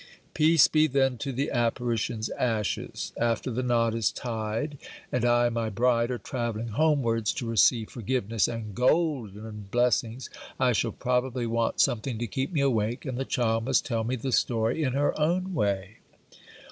Peace be, then, to the apparition's ashes! After the knot is tied, and I and my bride are travelling homewards to receive forgiveness and golden blessings, I shall probably want something to keep me awake, and the child must tell me the story in her own way.